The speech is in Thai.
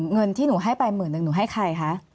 เงินที่หนูให้ไปหมื่นหนึ่งหนูให้ใครคะ